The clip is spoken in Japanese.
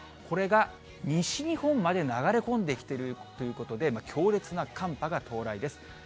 これが西日本まで流れ込んできてるということで、強烈な寒波が到来です。